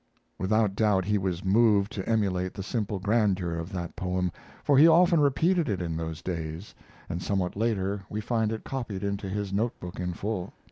Without doubt he was moved to emulate the simple grandeur of that poem, for he often repeated it in those days, and somewhat later we find it copied into his notebook in full.